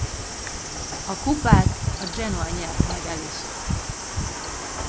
A kupát a Genoa nyerte meg először.